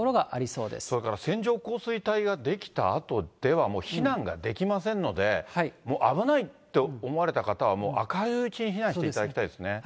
それから線状降水帯が出来たあとでは、もう避難ができませんので、もう危ないって思われた方は、明るいうちに避難していただきたいですね。